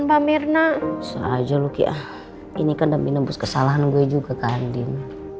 kamu liat sendiri kan